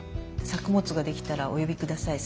作物ができたらお呼びください。